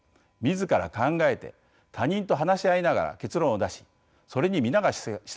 自ら考えて他人と話し合いながら結論を出しそれに皆が従う。